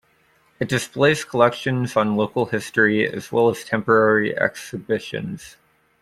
It displays collections on local history, as well as temporary exhibitions.